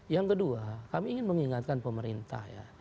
yang kedua kami ingin mengingatkan pemerintah ya